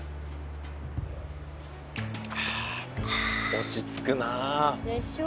落ち着くなあ。でしょ。